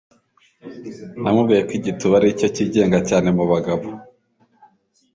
Namubwiye ko igituba aricyo cyigenga cyane mubagabo.